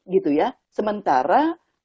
gitu ya sementara